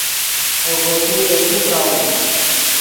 اوکو تو دے کو پراؤم